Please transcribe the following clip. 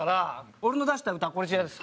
俺の出した歌こちらです。